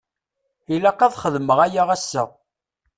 Ilaq ad xedmeɣ aya ass-a.